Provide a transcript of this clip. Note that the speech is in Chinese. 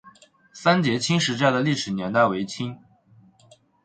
三捷青石寨的历史年代为清。